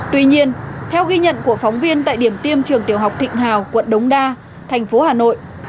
tuy nhiên theo ghi nhận của phóng viên tại điểm tiêm trường tiểu học thịnh hào quận đống đa thành phố hà nội